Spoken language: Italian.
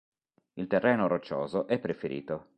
Il terreno roccioso è preferito.